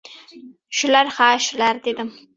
— Shular, ha, shular, — dedim.